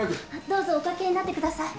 どうぞお掛けになってください。